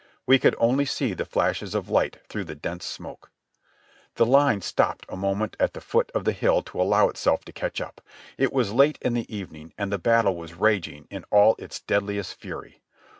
We could only see the flashes of light through the dense smoke. The line stopped a moment at the foot of the hill to allow itself to catch up. It was late in the evening and the battle was raging in all its deadliest fury.